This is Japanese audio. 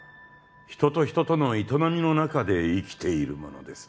人と人との営みの中で生きているものです